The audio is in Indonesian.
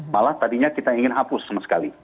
malah tadinya kita ingin hapus